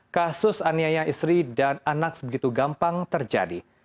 kasus aniaya istri dan anak sebegitu gampang terjadi